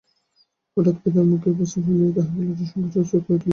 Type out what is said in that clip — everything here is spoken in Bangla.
হঠাৎ পিতার মুখে এই প্রস্তাব শুনিয়া তাহাকে লজ্জায়-সংকোচে অস্থির করিয়া তুলিল।